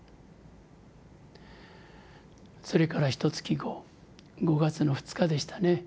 それからひと月後５月の２日でしたね。